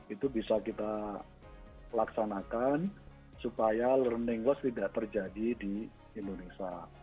itu bisa kita laksanakan supaya learning loss tidak terjadi di indonesia